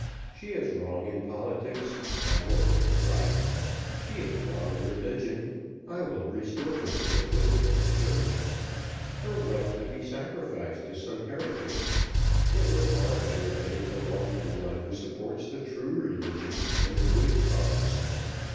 She is wrong in politics, I will put her right. She is wrong in religion, I will restore her to the bosom of the church. Her wealth would be sacrificed to some heretic; it were far better that it belonged to one who supports the true religion and the good cause.